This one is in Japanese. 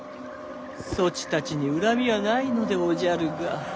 そちたちに恨みはないのでおじゃるが。